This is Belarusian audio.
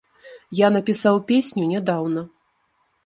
Я напісаў песню нядаўна.